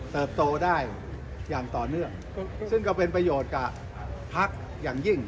โตได้อย่างต่อเนื่องซึ่งก็เป็นประโยชน์กับพักอย่างยิ่ง